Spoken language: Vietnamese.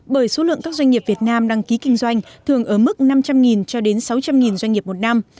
bởi số lượng các doanh nghiệp việt nam đăng ký kinh doanh thường ở mức năm trăm linh cho đến sáu trăm linh doanh nghiệp một năm